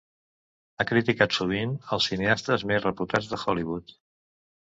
Ha criticat sovint els cineastes més reputats de Hollywood.